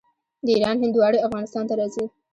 د ایران هندواڼې افغانستان ته راځي.